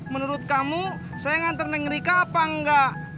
menurut kamu saya nganter dengan rika apa enggak